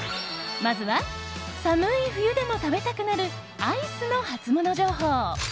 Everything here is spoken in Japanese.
まずは、寒い冬でも食べたくなるアイスのハツモノ情報。